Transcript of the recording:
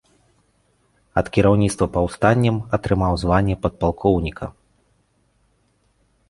Ад кіраўніцтва паўстаннем атрымаў званне падпалкоўніка.